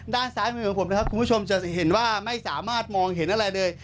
ด้านซ้ายมือของผมนะครับคุณผู้ชมจะเห็นว่าไม่สามารถมองเห็นอะไรเลย